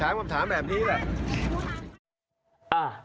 เรื่องของประชาชนก็คิดตัวเอง